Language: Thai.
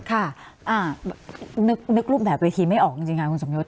ค่ะนึกรูปแบบเวทีไม่ออกจริงค่ะคุณสมยศ